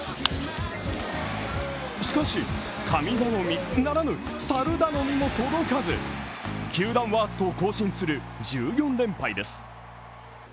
しかし、神頼みならぬ猿頼みも届かず、球団ワーストを更新する１４連敗です。